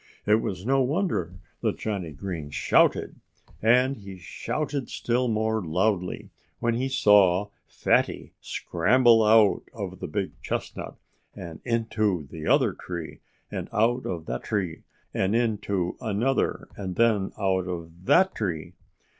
It was no wonder that Johnnie Green shouted. And he shouted still more loudly when he saw Fatty scramble out of the big chestnut and into the other tree, and out of that tree and into another, and then out of THAT tree.